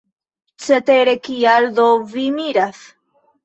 Cetere, kial do vi miras?